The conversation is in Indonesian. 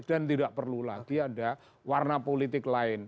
dan tidak perlu lagi ada warna politik lain